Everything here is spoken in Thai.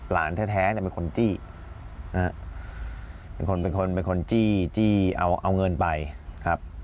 หลานแท้เป็นคนจี้เป็นคนจี้เอาเงินไปครับ